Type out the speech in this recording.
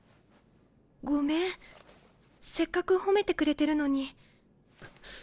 ごめんせっかく褒めてくれてるのに。